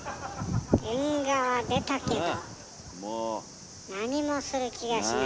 縁側出たけど何もする気がしない。